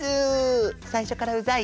最初からうざい？